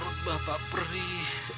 rup bapak perih